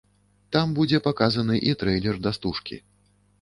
Там будзе паказаны і трэйлер да стужкі.